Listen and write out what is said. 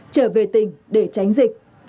trở về tỉnh để tránh dịch